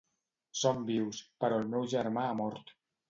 Som vius, però el meu germà ha mort.